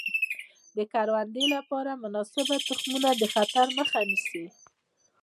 د کروندې لپاره مناسبه تخمینه د خطر مخه نیسي.